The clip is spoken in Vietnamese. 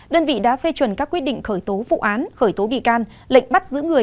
đơn vị đã phê chuẩn các quyết định khởi tố vụ án khởi tố bị can lệnh bắt giữ người